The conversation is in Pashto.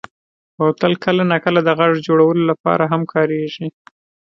بوتل کله ناکله د غږ جوړولو لپاره هم کارېږي.